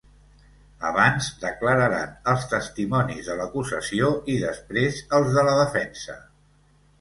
Abans, declararan els testimonis de l’acusació i després els de la defensa.